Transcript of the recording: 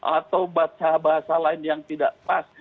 atau baca bahasa lain yang tidak pas